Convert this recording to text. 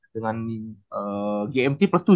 dengan gmt plus tujuh